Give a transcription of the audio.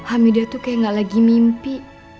hamidah tuh kayak gak lagi mimpi